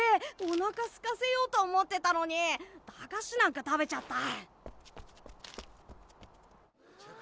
おなかすかせようと思ってたのに駄菓子なんか食べちゃった。